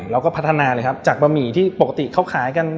เราก็พัฒนาเลยครับจากบะหมี่ที่ปกติเขาขายกัน